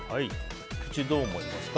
菊地、どう思いますか？